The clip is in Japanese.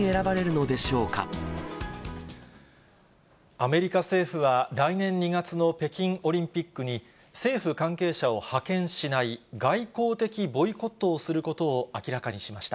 アメリカ政府は来年２月の北京オリンピックに、政府関係者を派遣しない、外交的ボイコットをすることを明らかにしました。